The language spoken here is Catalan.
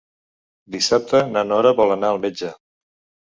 Dissabte na Nora vol anar al metge.